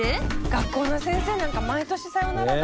学校の先生なんか毎年さよならだ。